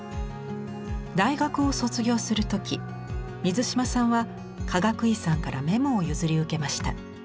大学を卒業する時水島さんはかがくいさんからメモを譲り受けました。